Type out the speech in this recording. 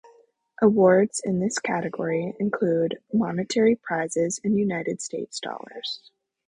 Awards in this category include monetary prizes in United States dollars.